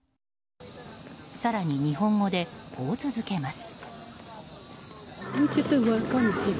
更に、日本語でこう続けます。